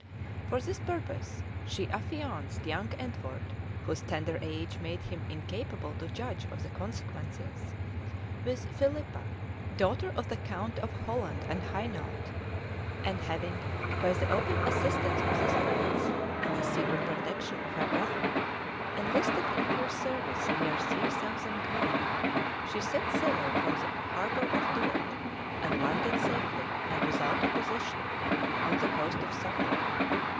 For this purpose, she affianced young Edward, whose tender age made him incapable to judge of the consequences, with Philippa, daughter of the count of Holland and Hainault;[*] and having, by the open assistance of this prince, and the secret protection of her brother, enlisted in her service near three thousand men, she set sail from the harbor of Dort, and landed safely, and without opposition, on the coast of Suffolk.